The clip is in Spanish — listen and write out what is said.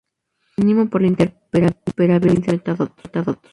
Es lo mínimo para la interoperabilidad de los metadatos.